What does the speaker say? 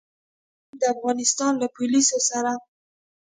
او هم د افغانستان له پوليسو سره.